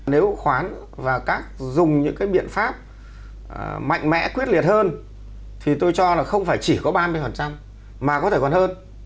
nếu khoán và các dùng những cái biện pháp mạnh mẽ quyết liệt hơn thì tôi cho là không phải chỉ có ba mươi mà có thể còn hơn